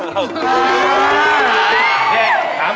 หนูกลัว